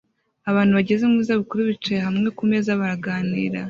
Abantu bageze mu zabukuru bicaye hamwe kumeza baraganira